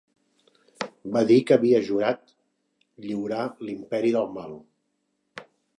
Va dir que havia jurat lliurar l'imperi del mal.